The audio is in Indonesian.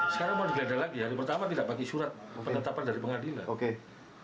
sekarang mau digeledah lagi hari pertama tidak bagi surat penetapan dari pengadilan